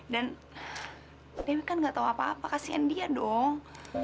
dan dewi kan gak tau apa apa kasihan dia dong